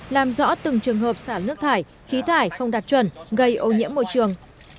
làm rõ từng trường hợp xả nước thải khí thải không đạt chuẩn gây ô nhiễm môi trường